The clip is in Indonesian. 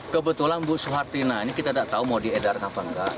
kebetulan bu suhartina ini kita tidak tahu mau diedar apa enggak